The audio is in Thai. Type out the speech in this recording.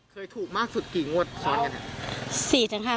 เคยถูกมากสุดกี่งวดซ้อนกันครับ